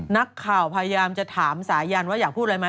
นักข่าวพยายามจะถามสายันว่าอยากพูดอะไรไหม